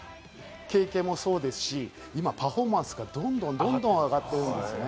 この経験もそうですし、今パフォーマンスがどんどんどんどん上がっているんですね。